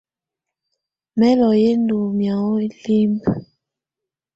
Mɛlɔ yɛ ndɔ́ mɛ̀ágɔ̀á libinǝ.